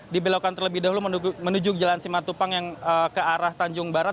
dibelokkan terlebih dahulu menuju jalan simatupang yang ke arah tanjung barat